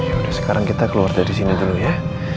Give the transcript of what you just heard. yaudah sekarang kita keluar dari sini dulu ya